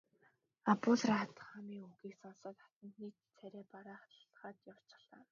Абдул Рахманы үгийг сонсоод хатантны царай барайгаад явчихлаа.